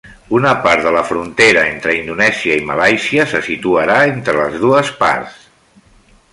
Una part de la frontera entre Indonèsia i Malàisia se situarà entre les dues parts.